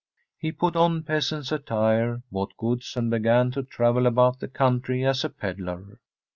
He put on peasant's attire, bought goods, and began to travel about the country as a pedlar.